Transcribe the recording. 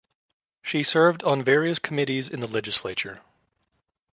She served on various committees in the legislature.